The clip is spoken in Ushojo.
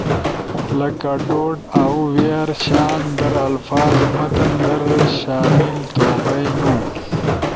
لکہ ” “don’t” اؤ “we’re” شان در الفاظ متن در شامل تھو بئینو۔